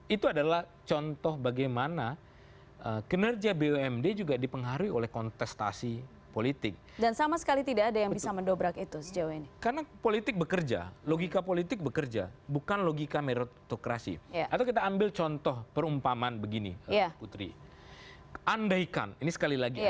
itu adalah contoh bagaimana kinerja bumd juga dipengaruhi oleh kontestasi politik